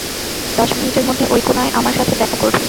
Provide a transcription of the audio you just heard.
দশ মিনিটের মধ্যে ঐ কোণায় আমার সাথে দেখা করবে।